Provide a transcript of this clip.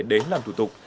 đến làm thủ tục